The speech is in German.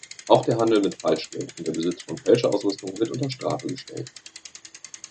Auch der Handel mit Falschgeld und der Besitz von Fälscherausrüstung wird unter Strafe gestellt.